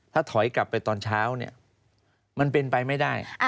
ถ้าถอยกลับไปตอนเช้าเนี่ยมันเป็นไปไม่ได้